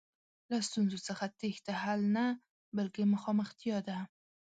له ستونزو څخه تېښته حل نه، بلکې مخامختیا ده.